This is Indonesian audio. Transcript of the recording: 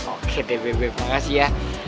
oke deh bebek makasih ya